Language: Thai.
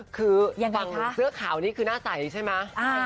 คือฝั่งเสื้อขาวนี่คือหน้าใสใช่ไหม